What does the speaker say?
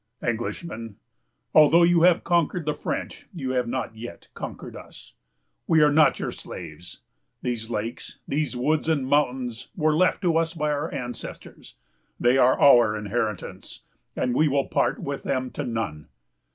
"'Englishman, although you have conquered the French, you have not yet conquered us. We are not your slaves. These lakes, these woods and mountains, were left to us by our ancestors. They are our inheritance; and we will part with them to none.